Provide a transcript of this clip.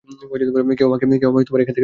কেউ আমাকে এখান থেকে নামা।